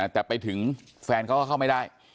แต่ไปถึงแฟนเขาก็เข้าไม่ได้